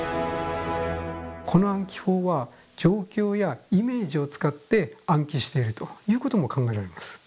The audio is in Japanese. この暗記法は状況やイメージを使って暗記しているということも考えられます。